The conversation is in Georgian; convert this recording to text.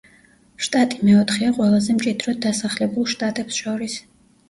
შტატი მეოთხეა ყველაზე მჭიდროდ დასახლებულ შტატებს შორის.